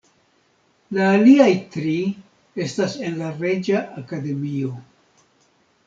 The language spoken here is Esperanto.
La aliaj tri estas en la Reĝa Akademio.